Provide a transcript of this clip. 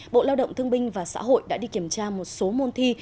bộ lao động thương binh và xã hội đã đi kiểm tra một số môn thi